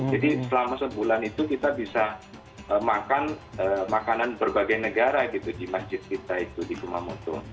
jadi selama sebulan itu kita bisa makan makanan berbagai negara gitu di masjid kita itu di kumamoto